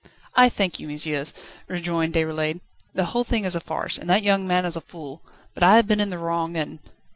"I thank you, messieurs," rejoined Déroulède. "The whole thing is a farce, and that young man is a fool; but I have been in the wrong and